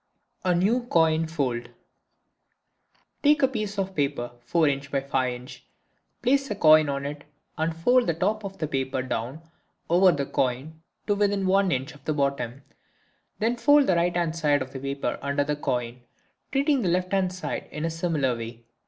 A New Coin Fold.—Take a piece of paper 4 in. by 5 in., place a coin on it and fold the top of the paper down over the coin to within 1 in. of the bottom. Then fold the right hand side of the paper under the coin, treating the left hand side in a similar way.